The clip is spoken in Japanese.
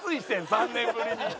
３年ぶりに。